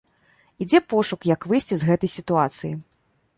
Ідзе пошук, як выйсці з гэтай сітуацыі.